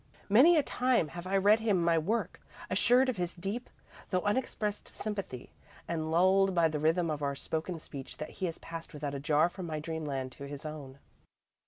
Many a time have I read him my work, assured of his deep, though unexpressed sympathy, and, lulled by the rhythm of our spoken speech, he has passed without a jar from my dreamland to his own.